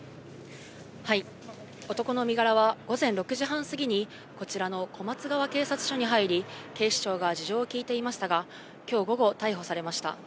男の身柄は午前６時半過ぎに、こちらの小松川警察署に入り、警視庁が事情を聴いていましたが、きょう午後、逮捕されました。